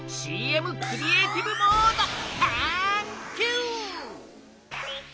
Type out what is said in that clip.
ＣＭクリエイティブモード！タンキュー！